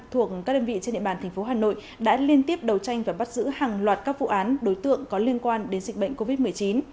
tp hà nội đã liên tiếp đầu tranh và bắt giữ hàng loạt các vụ án đối tượng có liên quan đến dịch bệnh covid một mươi chín